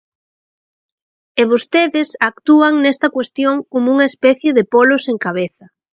E vostedes actúan nesta cuestión como unha especie de polo sen cabeza.